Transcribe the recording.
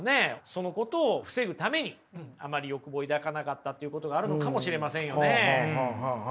そのことを防ぐためにあまり欲望を抱かなかったっていうことがあるのかもしれませんよね？